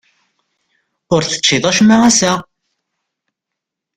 Ur teččiḍ acemma ass-a?